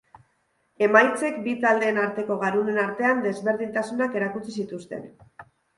Emaitzek bi taldeen arteko garunen artean desberdintasunak erakutsi zituzten.